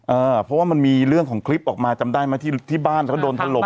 เออเพราะว่ามันมีเรื่องของคลิปออกมาจำได้ไหมที่ที่บ้านเขาโดนถล่ม